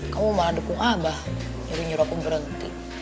kamu malah dukung abah jadi nyuruh aku berhenti